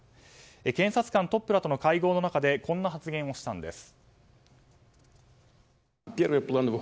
検察官トップらとの会合の中でこんな発言をしたんです。